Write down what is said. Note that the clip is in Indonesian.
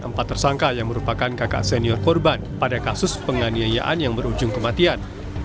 empat tersangka yang merupakan kakak senior korban pada kasus penganiayaan yang berujung kematian